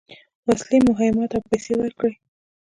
وسلې، مهمات او پیسې ورکړې.